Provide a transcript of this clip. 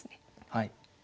はい。